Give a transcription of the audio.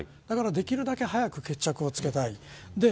だから、できるだけ早く決着をつけたい。